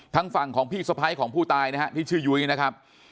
ทางฝั่งของพี่สะพ้ายของผู้ตายนะฮะที่ชื่อยุ้ยนะครับ